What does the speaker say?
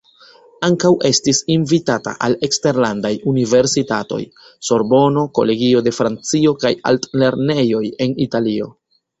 Ankaŭ estis invitata al eksterlandaj universitatoj: Sorbono, Kolegio de Francio kaj altlernejoj en Italio.